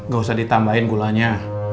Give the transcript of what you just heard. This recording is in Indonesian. gak usah ditambahin gulanya